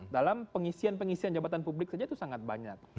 dalam pengisian pengisian jabatan publik saja itu sangat banyak